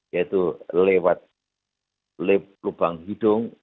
yaitu lewat lubang hidung